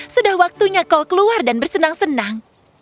sudah waktunya kau keluar dan bersenang senang